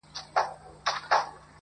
• وېښته مي سپین دي په عمر زوړ یم -